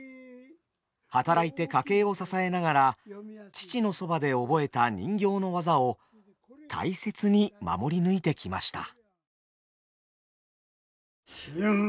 働いて家計を支えながら父のそばで覚えた人形の技を大切に守り抜いてきました。